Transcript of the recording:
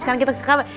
sekarang kita ke kamar